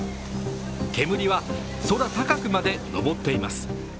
煙は空高くまで上っています。